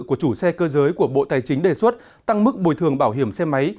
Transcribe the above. của chủ xe cơ giới của bộ tài chính đề xuất tăng mức bồi thường bảo hiểm xe máy